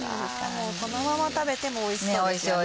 このまま食べてもおいしそうですよね。